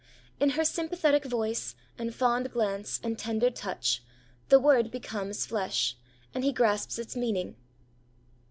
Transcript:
In her sympathetic voice, and fond glance, and tender touch, the word becomes flesh, and he grasps its meaning.